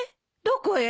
どこへ？